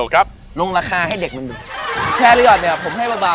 ครับลงราคาให้เด็กมันดูแชร์หรือหอดเนี่ยผมให้เบา